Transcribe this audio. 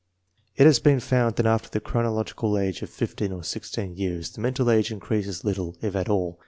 It has been found that after the chronological age of fifteen or sixteen years the mental age increases little if at all.